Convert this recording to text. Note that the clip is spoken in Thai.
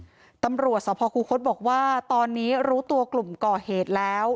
ตำรวจสภคูคศบอกว่าตอนนี้รู้ตัวกลุ่มก่อเหตุแล้ว